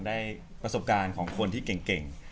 ได้ประสบการณ์ของคนที่เก่ง